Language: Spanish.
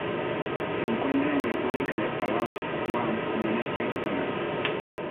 Se encuentran en República de Palau, Guam, Indonesia y Tonga.